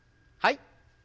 はい。